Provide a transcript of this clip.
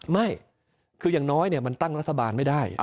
ไม่คืออย่างน้อยมันตั้งรัฐบาลไม่ได้